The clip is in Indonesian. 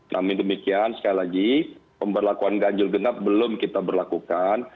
namun demikian sekali lagi pemberlakuan ganjil genap belum kita berlakukan